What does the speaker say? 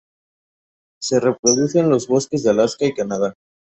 Se reproduce en los bosques de Alaska y Canadá.